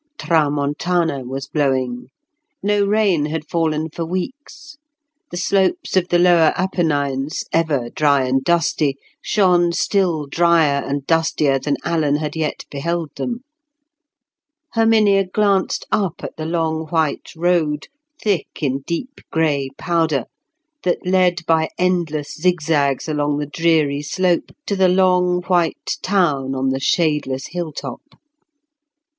Tramontana was blowing. No rain had fallen for weeks; the slopes of the lower Apennines, ever dry and dusty, shone still drier and dustier than Alan had yet beheld them. Herminia glanced up at the long white road, thick in deep grey powder, that led by endless zigzags along the dreary slope to the long white town on the shadeless hilltop.